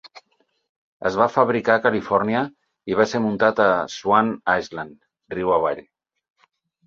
Es va fabricar a Califòrnia i va ser muntat a Swan Island, riu avall.